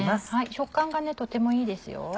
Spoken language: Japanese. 食感がとてもいいですよ。